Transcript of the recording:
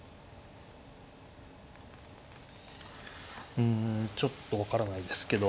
うんちょっと分からないですけど。